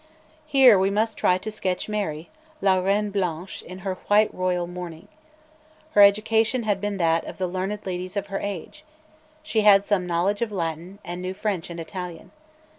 Here we must try to sketch Mary, la, Reine blanche, in her white royal mourning. Her education had been that of the learned ladies of her age; she had some knowledge of Latin, and knew French and Italian.